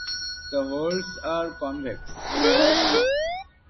The whorls are convex.